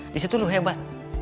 di situ lo hebat